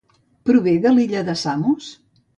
Prové de l'illa de Samos?